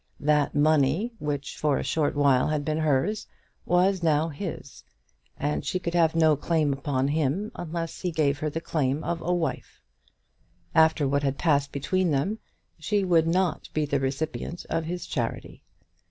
That money which for a short while had been hers was now his; and she could have no claim upon him unless he gave her the claim of a wife. After what had passed between them she would not be the recipient of his charity.